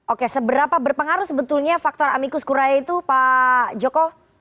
oke seberapa berpengaruh sebetulnya faktor amicus curiae itu pak